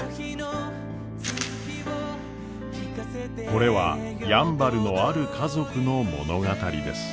これはやんばるのある家族の物語です。